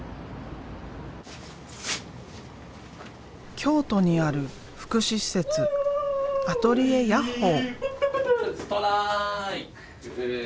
京都にある福祉施設「アトリエやっほぅ！！」。